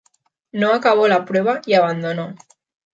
No acabó la prueba y abandonó.